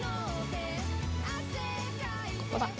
ここだ！